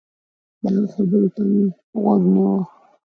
د هغه خبرو ته به مو غوږ نيوه.